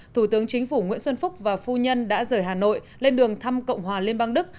thủ tướng chính phủ nguyễn xuân phúc và phu nhân đã rời hà nội lên đường thăm cộng hòa liên bang đức